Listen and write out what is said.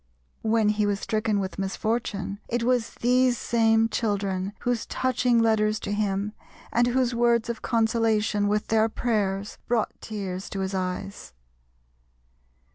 When he was stricken with misfortune, it was these same children whose touching letters to him and whose words of consolation, with their prayers, brought tears to his eyes.